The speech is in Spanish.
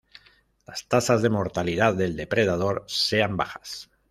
Las tasas de mortalidad del depredador sean bajas.